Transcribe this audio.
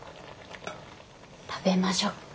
食べましょっか。